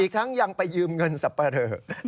อีกทั้งยังไปยืมเงินสับปะเริ่ม